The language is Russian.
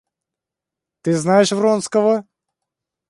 Ты знаешь Вронского?